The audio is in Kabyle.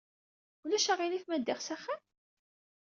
Ulac aɣilif ma ddiɣ s axxam?